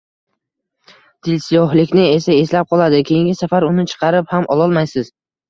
dilsiyohlikni esa eslab qoladi, keyingi safar uni chaqirib ham ololmaysiz.